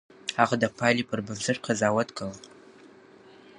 هغه د پايلې پر بنسټ قضاوت کاوه.